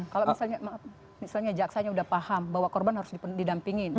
kalau misalnya jaksanya sudah paham bahwa korban harus didampingin